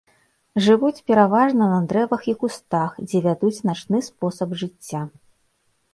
Жывуць пераважна на дрэвах і кустах, дзе вядуць начны спосаб жыцця.